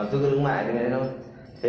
à không chung cư mini cả hà nội được thế